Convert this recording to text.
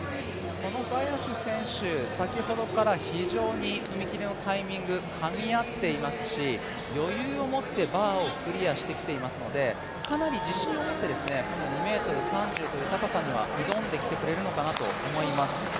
このザヤス選手、先ほどから非常に踏み切りのタイミングかみ合っていますし、余裕を持ってバーをクリアしてきていますのでかなり自信を持って２ｍ３０という高さには挑んできてくれるのかなとは思います。